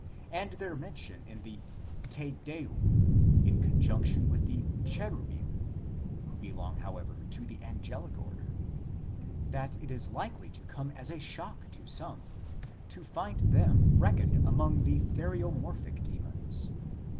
and their mention in the " Te Deum," in conjunction with the Cherubim (who belong, however, to the angelic order), that it is likely to come as a shock to some to find them reckoned among theriomorphic demons.